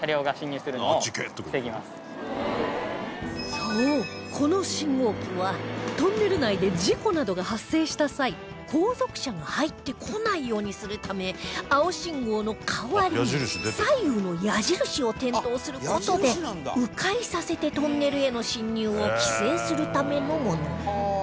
そうこの信号機はトンネル内で事故などが発生した際後続車が入ってこないようにするため青信号の代わりに左右の矢印を点灯する事で迂回させてトンネルへの進入を規制するためのもの